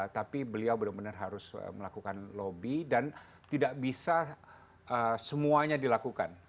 tapi beliau benar benar harus melakukan lobby dan tidak bisa semuanya dilakukan